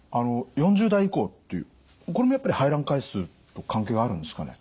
４０代以降っていうこれもやっぱり排卵回数と関係があるんですかね？